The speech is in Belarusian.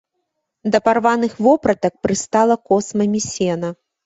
Да парваных вопратак прыстала космамі сена.